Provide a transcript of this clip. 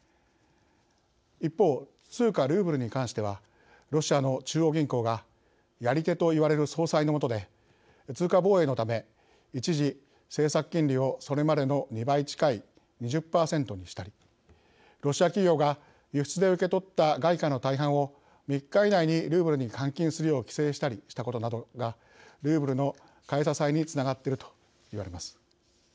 一方、通貨ルーブルに関してはロシアの中央銀行がやり手といわれる総裁のもとで通貨防衛のため一時、政策金利をそれまでの２倍近い２０％にしたりロシア企業が輸出で受け取った外貨の大半を３日以内にルーブルに換金するよう規制したりしたことなどがルーブルの買い支えにつながっているといわれます。